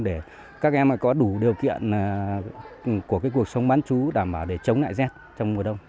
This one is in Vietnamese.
để các em mà có đủ điều kiện của cuộc sống bán chú đảm bảo để chống lại rét trong mùa đông